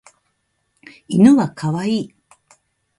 犬は可愛い。